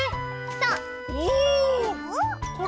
そう！